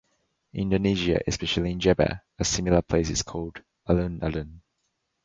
In Indonesia, especially in Java, a similar place is called "Alun-Alun".